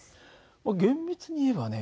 厳密に言えばね